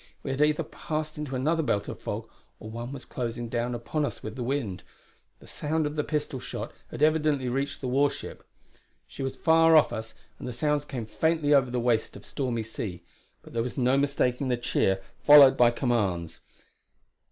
We had either passed into another belt of fog, or one was closing down upon us with the wind. The sound of the pistol shot had evidently reached the war ship. She was far off us, and the sounds came faintly over the waste of stormy sea; but there was no mistaking the cheer followed by commands.